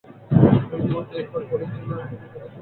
আমি তোমাকে একবার বলেছি না তুমি কোন সামার ক্যাম্পে যেতে পারবে না?